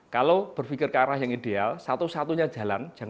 kalau berpikir ke arah yang ideal satu satunya jalan